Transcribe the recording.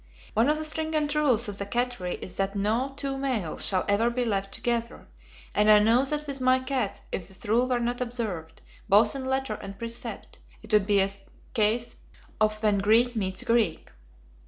One of the stringent rules of the cattery is that no two males shall ever be left together, and I know that with my cats if this rule were not observed, both in letter and precept, it would be a case of 'when Greek meets Greek.'